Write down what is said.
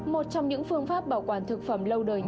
một trong những phương pháp bảo quản thực phẩm lâu đời nhất